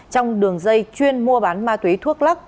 trong đường dây chuyên mua bán ma túy thuốc lắc